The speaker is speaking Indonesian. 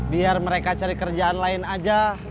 biar mereka cari kerjaan lain aja